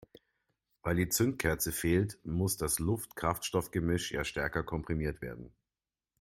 Weil die Zündkerze fehlt, muss das Luft-Kraftstoff-Gemisch ja stärker komprimiert werden.